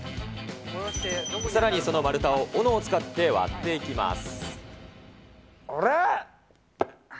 さらにその丸太をおのを使って割っていきます。